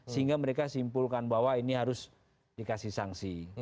sehingga mereka simpulkan bahwa ini harus dikasih sanksi